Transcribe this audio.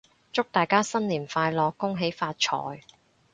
祝大家新年快樂！恭喜發財！